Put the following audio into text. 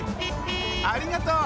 ありがとう！